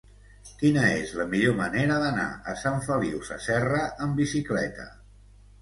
Quina és la millor manera d'anar a Sant Feliu Sasserra amb bicicleta?